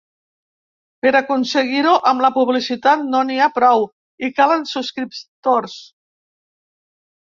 Per aconseguir-ho, amb la publicitat no n’hi ha prou i calen subscriptors.